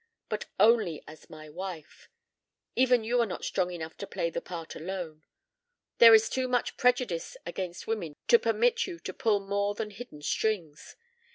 But only as my wife. Even you are not strong enough to play the part alone. There is too much prejudice against women to permit you to pull more than hidden strings.